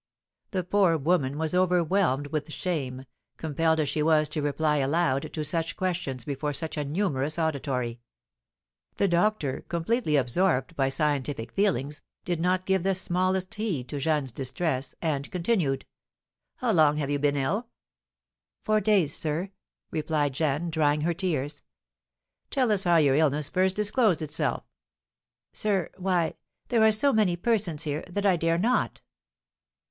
The poor woman was overwhelmed with shame, compelled as she was to reply aloud to such questions before such a numerous auditory. The doctor, completely absorbed by scientific feelings, did not give the smallest heed to Jeanne's distress, and continued: "How long have you been ill?" "Four days, sir," replied Jeanne, drying her tears. "Tell us how your illness first disclosed itself." "Sir, why, there are so many persons here, that I dare not."